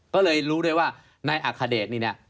ก็เลยรู้ด้วยว่านายอัคเดชนี่เนี่ย